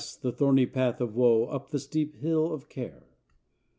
the thorny path of woe Up the steep hill of care!